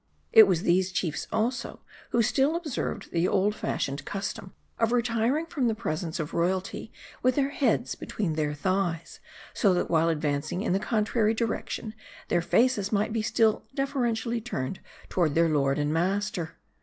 It was these chiefs, also, who still observed the old fash ioned custom of retiring from the presence of royalty with their heads between their thighs ; so that while advancing in the contrary direction, their faces might be still deferen tially turned toward their lord and master.